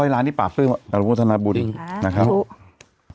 ๙๐๐ล้านนี่ปากปลื้มอนุโมทนาบุญนะครับจริงค่ะทุก